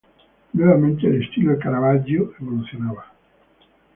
Nuevamente, el estilo de Caravaggio evolucionaba.